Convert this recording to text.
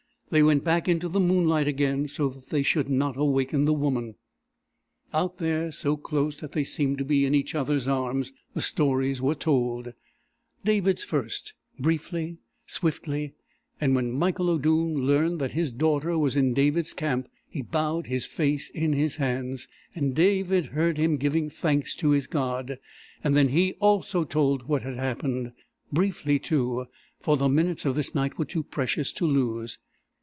They went back into the moonlight again, so that they should not awaken the woman. Out there, so close that they seemed to be in each other's arms, the stories were told, David's first briefly, swiftly; and when Michael O'Doone learned that his daughter was in David's camp, he bowed his face in his hands and David heard him giving thanks to his God. And then he, also, told what had happened briefly, too, for the minutes of this night were too precious to lose.